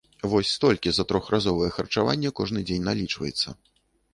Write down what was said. Вось столькі за трохразовае харчаванне кожны дзень налічваецца.